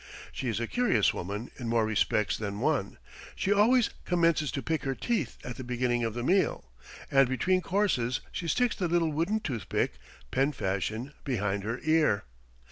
She is a curious woman in more respects than one: she always commences to pick her teeth at the beginning of the meal, and between courses she sticks the little wooden toothpick, pen fashion, behind her ear.